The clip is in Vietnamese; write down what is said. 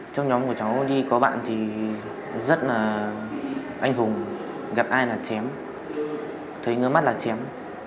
trong nhóm của cháu đi có bạn thì rất là anh hùng gặp ai là chém thấy người mắt là chém